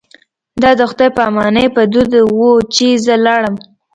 دا د خدای په امانۍ په دود و چې زه لاړم.